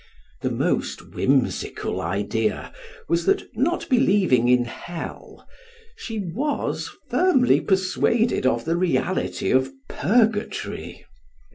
The most whimsical idea was, that not believing in hell, she was firmly persuaded of the reality of purgatory.